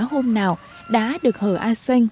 hôm nào đã được hờ a xanh